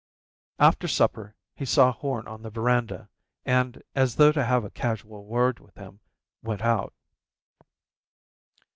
After supper he saw Horn on the verandah and, as though to have a casual word with him, went out.